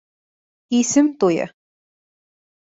Исем туйы